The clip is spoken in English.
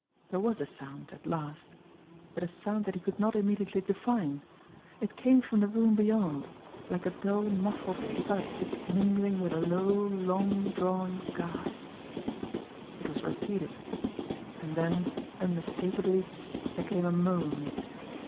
There was a sound at last; but a sound that he could not immediately define. It came from the room beyond like a dull, muffled thud mingling with a low, long drawn gasp. It was repeated and then, unmistakably, there came a moan.